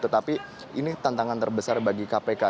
tetapi ini tantangan terbesar bagi kpk